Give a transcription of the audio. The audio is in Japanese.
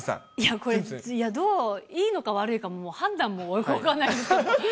これ、どう、いいのか悪いのかももう判断もよく分かんないんですけど。